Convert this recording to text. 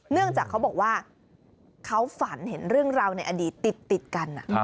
เนื่องจากเขาบอกว่าเขาฝันเห็นเรื่องราวในอดีตติดกัน